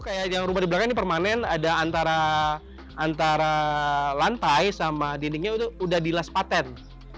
kayak yang rumah di belakang ini permanen ada antara lantai sama dindingnya itu udah dilas patent